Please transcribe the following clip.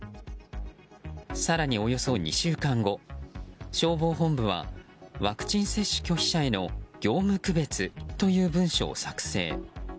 更におよそ２週間後消防本部はワクチン接種拒否者への業務区別という文書を作成。